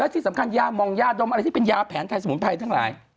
ที่สำคัญยามองยาดมอะไรที่เป็นยาแผนไทยสมุนไพรทั้งหลาย